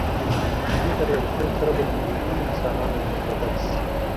دې بریالیتوب سره به د میلیونونو انسانانو ژوند بدل شي.